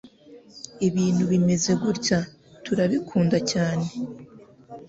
Ibintu Bimeze Gutya Turabikunda Cyane